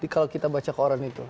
kalau kita baca ke orang itu